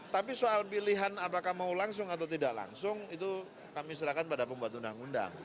tapi soal pilihan apakah mau langsung atau tidak langsung itu kami serahkan pada pembuat undang undang